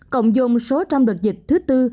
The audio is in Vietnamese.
cộng dồn số trong đợt dịch thứ tư